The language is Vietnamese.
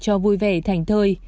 cho vui vẻ thành thơi